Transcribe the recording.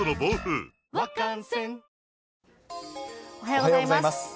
おはようございます。